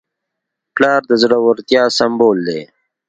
پلار د زړورتیا سمبول دی.